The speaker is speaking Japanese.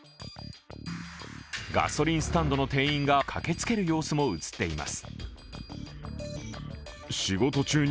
ガソリンスタンドの店員が駆けつける様子も映っています。